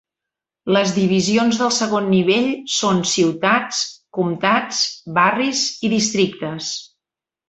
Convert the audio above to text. Les divisions del segon nivell són ciutats, comtats, barris, i districtes.